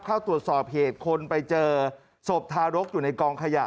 เข้าตรวจสอบเหตุคนไปเจอศพทารกอยู่ในกองขยะ